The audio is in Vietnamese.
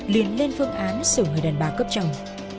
liền lên phương án xử người đàn bà cấp chồng